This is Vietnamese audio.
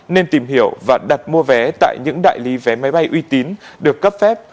nên tìm hiểu và đặt mua vé tại những đại lý vé máy bay uy tín được cấp phép